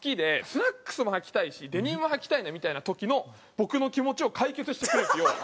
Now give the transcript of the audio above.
スラックスも穿きたいしデニムも穿きたいなみたいな時の僕の気持ちを解決してくれるんです要は。